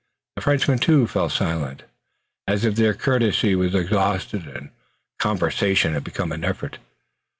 The Frenchmen, too, fell silent, as if their courtesy was exhausted and conversation had become an effort.